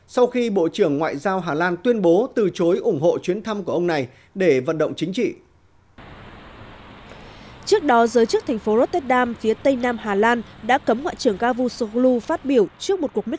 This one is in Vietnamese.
sau khi bộ trưởng ngoại giao hà lan tuyên bố từ chối ủng hộ chuyến thăm của ông này để vận động chính trị